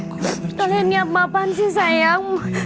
kalian niat bapakan sih sayang